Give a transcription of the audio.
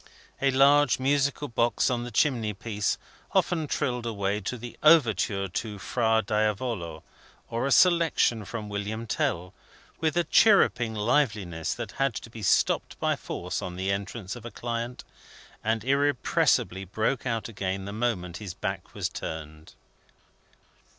A large musical box on the chimney piece often trilled away at the Overture to Fra Diavolo, or a Selection from William Tell, with a chirruping liveliness that had to be stopped by force on the entrance of a client, and irrepressibly broke out again the moment his back was turned.